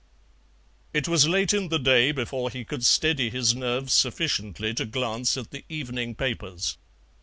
It was late in the day before he could steady his nerves sufficiently to glance at the evening papers.